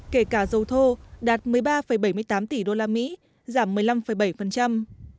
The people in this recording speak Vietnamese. kể cả dầu thô đạt một mươi ba bảy mươi tám tỷ usd giảm một mươi năm bảy